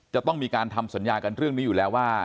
จะต้องมีการทำสัญญากันเรื่องนี้อยู่แล้วว่า